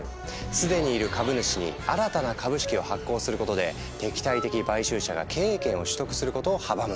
既にいる株主に新たな株式を発行することで敵対的買収者が経営権を取得することを阻むんだ。